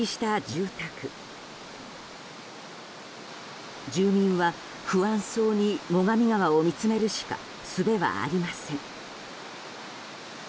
住民は不安そうに最上川を見つめるしかすべはありません。